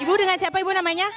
ibu dengan siapa ibu namanya